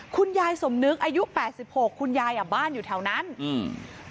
คุณยายสมนึกอายุแปดสิบหกคุณยายอ่ะบ้านอยู่แถวนั้นอืม